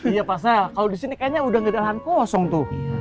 iya pak sel kalau di sini kayaknya udah ngedahan kosong tuh